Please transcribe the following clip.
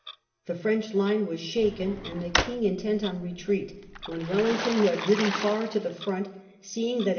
The French line was shaken and the King intent on retreat, when Wellington, who had ridden far to the front, seeing that a.